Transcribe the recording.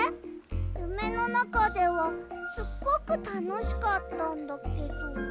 ゆめのなかではすっごくたのしかったんだけど。